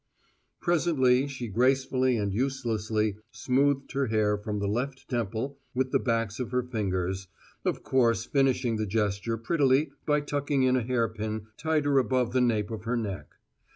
Presently, she gracefully and uselessly smoothed her hair from the left temple with the backs of her fingers, of course finishing the gesture prettily by tucking in a hairpin tighter above the nape of her neck.